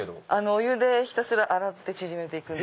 お湯でひたすら洗って縮めてく。